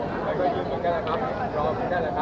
มันเป็นสิ่งที่จะให้ทุกคนรู้สึกว่ามันเป็นสิ่งที่จะให้ทุกคนรู้สึกว่า